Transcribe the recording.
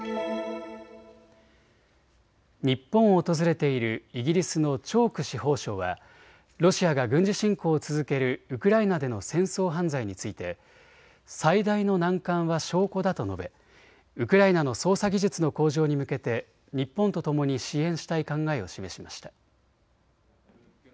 日本を訪れているイギリスのチョーク司法相はロシアが軍事侵攻を続けるウクライナでの戦争犯罪について最大の難関は証拠だと述べウクライナの捜査技術の向上に向けて日本とともに支援したい考えを示しました。